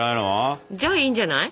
じゃあいいんじゃない。